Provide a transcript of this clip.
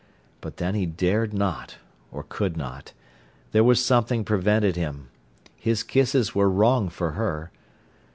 But then he dared not—or could not. There was something prevented him. His kisses were wrong for her.